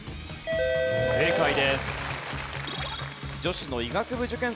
正解です。